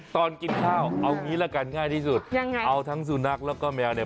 ตอนกินข้าวเอางี้ละกันง่ายที่สุดยังไงเอาทั้งสุนัขแล้วก็แมวเนี่ย